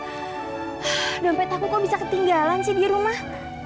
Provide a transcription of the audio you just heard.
ya ampun dampet aku kok bisa ketinggalan sih di rumah